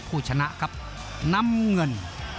ภูตวรรณสิทธิ์บุญมีน้ำเงิน